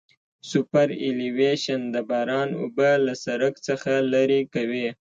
سوپرایلیویشن د باران اوبه له سرک څخه لرې کوي